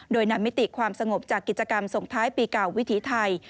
โดยนำมิติความสงบจากกิจกรรมส่งท้ายปีเก่าวิถีไทย